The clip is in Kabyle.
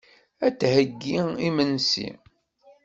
Ad d-theyyi imensi.